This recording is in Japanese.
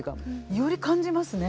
より感じますね。